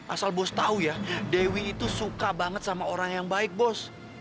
asal bos tahu ya dewi itu suka banget sama orang yang baik bos